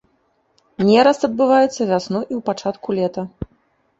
Нераст адбываецца вясной і ў пачатку лета.